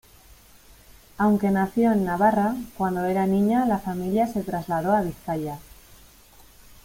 Aunque nació en Navarra, cuando era niña la familia se trasladó a Vizcaya.